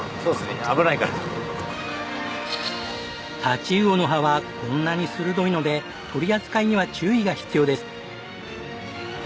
太刀魚の歯はこんなに鋭いので取り扱いには注意が必要です。